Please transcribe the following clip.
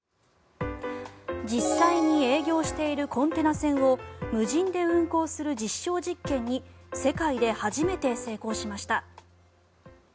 実際に営業しているコンテナ船を無人で運航する実証実験に世界で初めて成功しました。